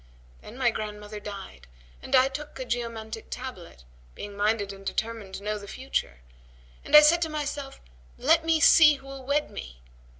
Then my grandmother died and I took a geomantic tablet, being minded and determined to know the future, and I said to myself, 'Let me see who will wed me!'